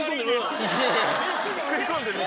食い込んでる。